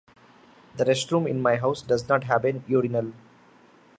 The restroom in my house does not have a urinal.